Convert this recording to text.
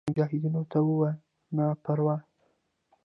مجاهدینو ته ووایه نه پروا.